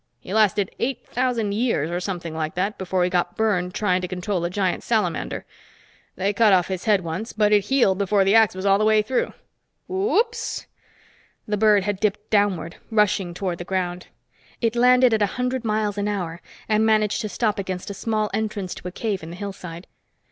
He lasted eight thousand years, or something like that, before he got burned trying to control a giant salamander. They cut off his head once, but it healed before the axe was all the way through. Woops!" The bird had dipped downward, rushing toward the ground. It landed at a hundred miles an hour and managed to stop against a small entrance to a cave in the hillside.